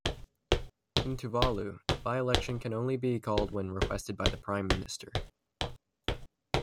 In Tuvalu a by-election can only be called when requested by the prime minister.